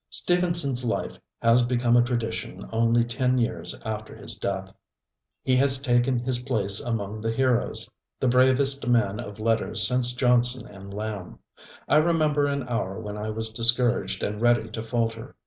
StevensonŌĆÖs life has become a tradition only ten years after his death; he has taken his place among the heroes, the bravest man of letters since Johnson and Lamb. I remember an hour when I was discouraged and ready to falter.